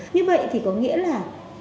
như vậy thì có nghĩa là